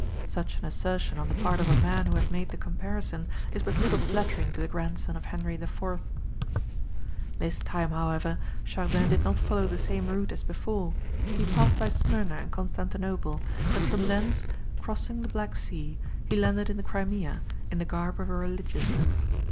Such an assertion on the part of a man who had made the comparison, is but little flattering to the grandson of Henry IV. This time, however, Chardin did not follow the same route as before. He passed by Smyrna and Constantinople, and from thence, crossing the Black Sea, he landed in the Crimea, in the garb of a religious.